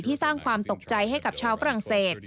สร้างความตกใจให้กับชาวฝรั่งเศส